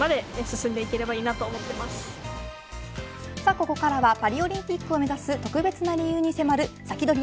ここからはパリオリンピックを目指す特別な理由に迫るサキドリ！